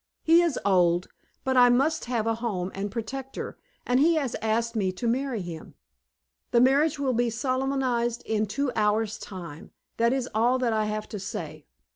He is old, but I must have a home and protector, and he has asked me to marry him. The marriage will be solemnized in two hours' time. That is all that I have to say.